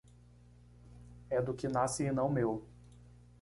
É do que nasce e não meu.